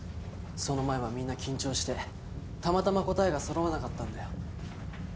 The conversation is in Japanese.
その前はみんな緊張してたまたま答えがそろわなかったんだよ。